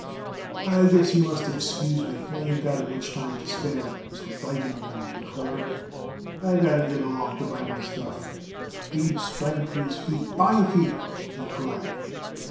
"I guess you must excuse me. I ain't got much time to spare," Mr. Feigenbaum declared. "I got to get along and buy my stuff." Abe sprang to his feet. "Buy it here!" he cried.